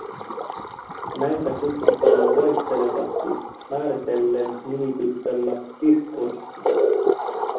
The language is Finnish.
Näitä kutsutaan vaihtelevasti määritellen nimityksellä diskurssi